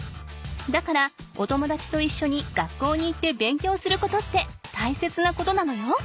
だからお友だちといっしょに学校に行って勉強することって大切なことなのよ。